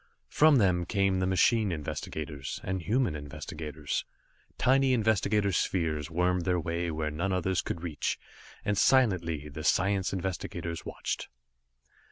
From them came the machine investigators, and human investigators. Tiny investigator spheres wormed their way where none others could reach, and silently the science investigators watched.